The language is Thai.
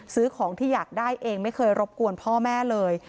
ซื้อของที่อยากได้เองไม่เคยรบกวนพ่อแม่เลย